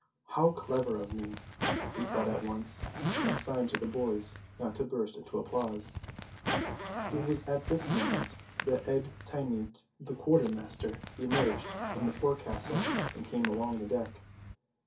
"How clever of me!" he thought at once, and signed to the boys not to burst into applause. It was at this moment that Ed Teynte the quartermaster emerged from the forecastle and came along the deck.